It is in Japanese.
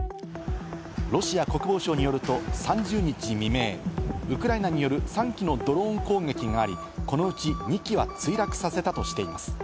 ロシア国防省によると、３０日未明、ウクライナによる３機のドローン攻撃があり、このうち２機は墜落させたとしています。